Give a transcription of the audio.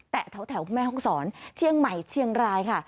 แต่แถวแม่ห้องศรเชียงใหม่เชียงรายค่ะ